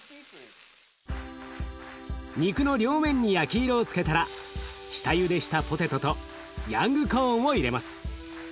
肉の両面に焼き色をつけたら下ゆでしたポテトとヤングコーンを入れます。